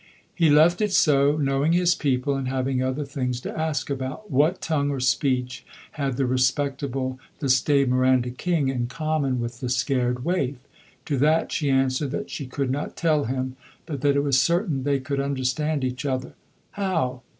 He left it so, knowing his people, and having other things to ask about. What tongue or speech had the respectable, the staid Miranda King in common with the scared waif? To that she answered that she could not tell him; but that it was certain they could understand each other. How?